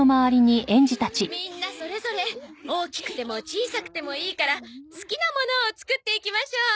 みんなそれぞれ大きくても小さくてもいいから好きなものを作っていきましょう。